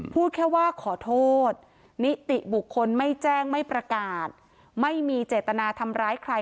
พูดแค่ว่าขอโทษนิติบุคคลไม่แจ้งไม่ประกาศไม่มีเจตนาทำร้ายใคร